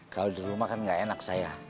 kalau di rumah kan nggak enak saya